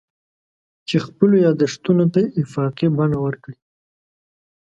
چې خپلو یادښتونو ته افاقي بڼه ورکړي.